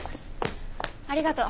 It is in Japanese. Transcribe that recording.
ありがとう。